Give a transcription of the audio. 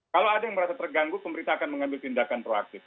kalau ada yang merasa terganggu pemerintah akan mengambil tindakan proaktif